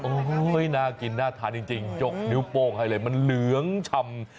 โอ้โหน่ากินน่าทานจริงยกนิ้วโป้งให้เลยมันเหลืองชำ